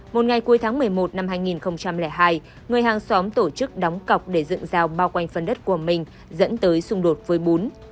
một ngày cuối tháng một mươi một năm hai nghìn hai người hàng xóm tổ chức đóng cọc để dựng rào bao quanh phần đất của mình dẫn tới xung đột với bún